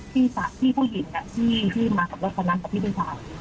พี่สาพี่ผู้หญิงน่ะที่ที่มากับรถฟันน้ำกับพี่ผู้ชาย